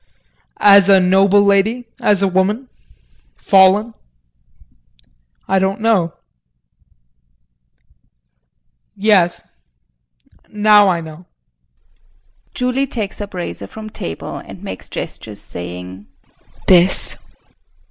As a noble lady, as a woman fallen I don't know. Yes, now I know. JULIE [She takes up razor from table and makes gestures saying] This?